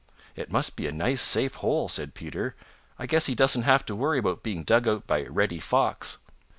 "It must be a nice, safe hole," said Peter. "I guess he doesn't have to worry about being dug out by Reddy fox."